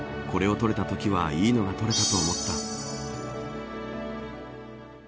これが撮れたときはいいのが撮れたと思った。